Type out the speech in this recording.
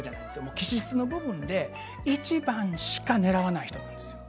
気質の部分で一番しか狙わない人なんですよ。